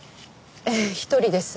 ええ１人です。